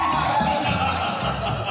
ハハハハ！